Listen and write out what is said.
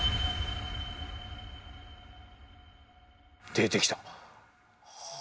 出てきた。